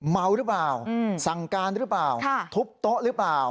เมาหรือเปล่าสั่งการหรือเปล่าทุบโต๊ะหรือเปล่า